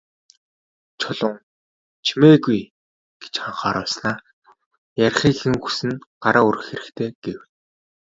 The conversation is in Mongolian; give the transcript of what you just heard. Чулуун «Чимээгүй» гэж анхааруулснаа "Ярихыг хэн хүснэ, гараа өргөх хэрэгтэй" гэв.